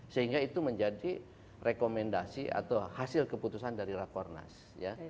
sehingga itu menjadi rekomendasi atau hasil keputusan dari rakornas ya